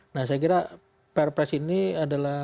nah saya kira perpres ini adalah